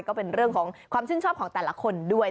ก็เป็นเรื่องของความชื่นชอบของแต่ละคนด้วย